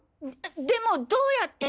でもどうやって？